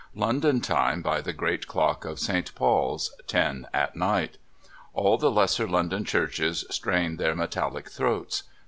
London Time by the great clock of Saint Paul's, ten at night. All the lesser London churches strain their metallic throats.